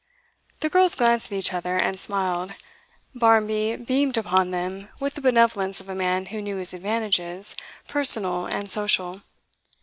The girls glanced at each other, and smiled. Barmby beamed upon them with the benevolence of a man who knew his advantages, personal and social.